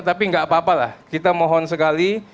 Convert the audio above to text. tapi nggak apa apa lah kita mohon sekali